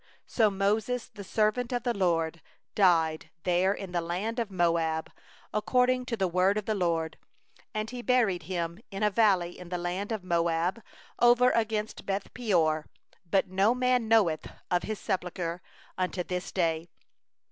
5So Moses the servant of the LORD died there in the land of Moab, according to the word of the LORD. 6And he was buried in the valley in the land of Moab over against Beth peor; and no man knoweth of his sepulchre unto this day.